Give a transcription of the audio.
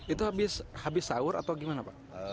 itu habis sahur atau gimana pak